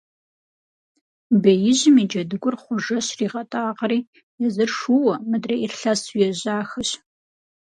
Беижьым и джэдыгур Хъуэжэ щригъэтӀагъэри, езыр шууэ, мыдрейр лъэсу ежьахэщ.